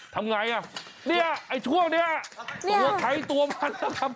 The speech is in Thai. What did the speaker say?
ทำไงอ่ะเนี่ยไอ้ช่วงนี้ตัวไข้ตัวมันนะครับ